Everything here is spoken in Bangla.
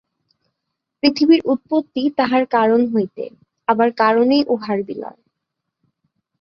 পৃথিবীর উৎপত্তি তাহার কারণ হইতে, আবার কারণেই উহার বিলয়।